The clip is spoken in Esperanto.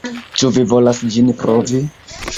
Ĉu vi volas ĝin provi?